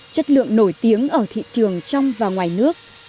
chất lượng nổi tiếng ở thị trường trong và ngoài nước